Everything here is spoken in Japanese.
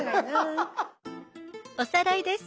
おさらいです。